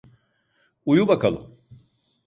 Uyu bakalım.